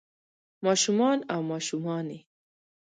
ما شومان او ماشومانے